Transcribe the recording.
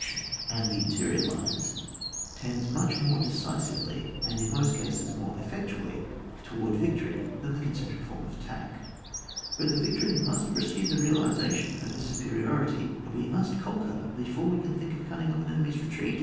77 tion and the interior lines tends much more decisively, and in most cases more effectually, towards victory than the con centric form of the attack. But victory must precede the realisation of this supe riority ; we must conquer before we can think of cutting off an enemy's retreat.